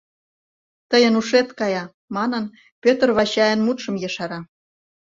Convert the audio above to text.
— Тыйын ушет кая, — манын, Пӧтыр Вачайын мутшым ешара...